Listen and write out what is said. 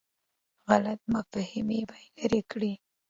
غلط فهمۍ به لرې کړي.